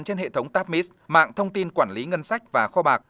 trên hệ thống tapmis mạng thông tin quản lý ngân sách và kho bạc